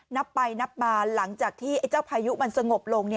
นับไปนับมาหลังจากที่เจ้าพายุมันสงบลง